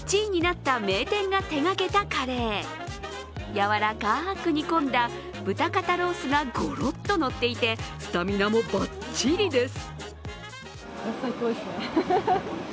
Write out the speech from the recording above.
やわらかく煮込んだ豚肩ロースがゴロッとのっていて、スタミナもばっちりです。